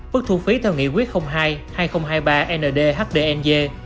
mức thu phí theo nghị quyết hai hai nghìn hai mươi ba nd hdng